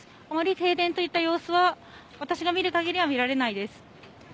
あまり停電といった様子は私が見る限りでは見られないです。